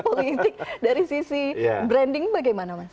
apa yang kalkulasi politik dari sisi branding bagaimana mas